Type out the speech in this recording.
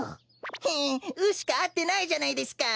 フン「う」しかあってないじゃないですか。